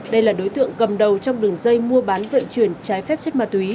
đây là đối tượng cầm đầu trong đường dây mua bán vận chuyển trái phép chất ma túy